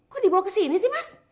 kok dibawa kesini sih mas